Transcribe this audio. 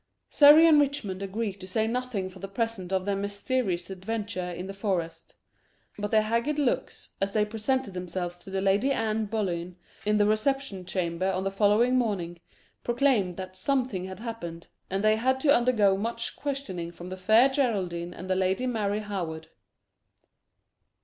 Surrey and Richmond agreed to say nothing for the present of their mysterious adventure in the forest; but their haggard looks, as they presented themselves to the Lady Anne Boleyn in the reception chamber on the following morning, proclaimed that something had happened, and they had to undergo much questioning from the Fair Geraldine and the Lady Mary Howard.